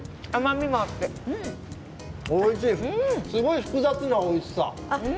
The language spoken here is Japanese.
すごく複雑なおいしさ。